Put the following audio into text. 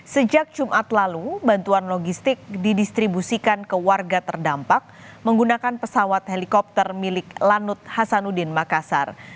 sejak jumat lalu bantuan logistik didistribusikan ke warga terdampak menggunakan pesawat helikopter milik lanut hasanuddin makassar